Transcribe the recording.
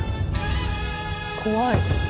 怖い。